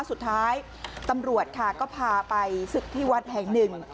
สุดท้ายตำรวจค่ะก็พาไปศึกที่วัดแห่งหนึ่ง